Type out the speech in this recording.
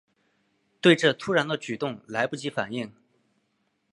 对这突然的举动来不及反应